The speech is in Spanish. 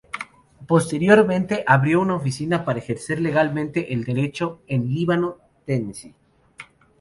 Posteriormente abrió una oficina para ejercer legalmente el derecho en Líbano, Tennessee.